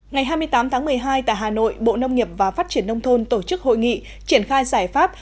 ngày hai mươi tám tháng một mươi hai tại hà nội bộ nông nghiệp và phát triển nông thôn tổ chức hội nghị triển khai giải pháp